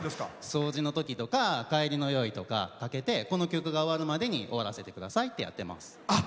掃除のときとか帰りの用意とか、かけてこの曲が終わるまでに終わらせてくださいってやってます。